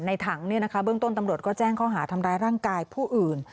ในถังเบื้องต้นตำรวจก็แจ้งข้อหาทำร้ายร่างกายผู้อื่น